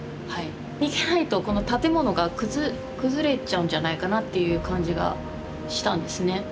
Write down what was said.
逃げないとこの建物が崩れちゃうんじゃないかなっていう感じがしたんですね。